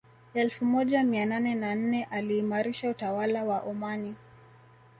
Elfu moja mia nane na nne aliimarisha utawala wa Omani